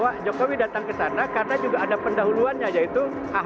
ada kesadaran untuk itu